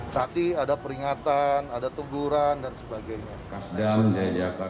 tadi ada peringatan ada tungguran dan sebagainya